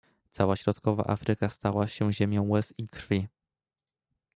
Cała środkowa Afryka stała się ziemią łez i krwi.